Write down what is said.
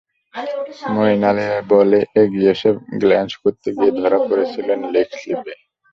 মঈন আলীর বলে এগিয়ে এসে গ্ল্যান্স করতে গিয়ে ধরা পড়েছিলেন লেগ স্লিপে।